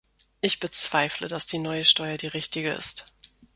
Ich bezweifle, dass die neue Steuer die richtige ist.